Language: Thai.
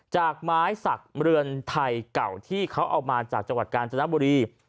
จากไม้สักเรือนไทยเก่าที่เขาเอามาจากจังหวัดกาญจนบุรี